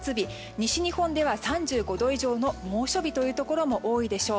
西日本では３５度以上の猛暑日というところも多いでしょう。